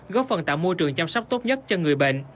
góp phần tạo môi trường chăm sóc tốt nhất cho người bệnh